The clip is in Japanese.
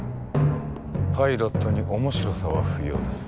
パイロットに面白さは不要です。